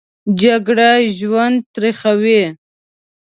جګړه ژوند تریخوي